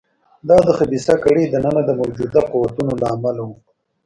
دا د خبیثه کړۍ دننه د موجوده قوتونو له امله و.